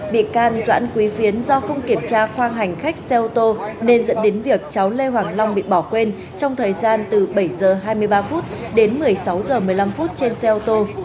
bị can doãn quý phiến do không kiểm tra khoang hành khách xe ô tô nên dẫn đến việc cháu lê hoàng long bị bỏ quên trong thời gian từ bảy h hai mươi ba phút đến một mươi sáu h một mươi năm phút trên xe ô tô